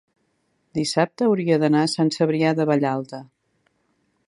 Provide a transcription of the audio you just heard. dissabte hauria d'anar a Sant Cebrià de Vallalta.